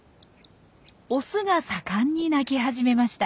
オスが盛んに鳴き始めました。